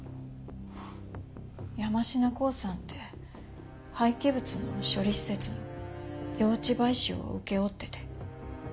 山科興産って廃棄物の処理施設の用地買収を請け負ってて。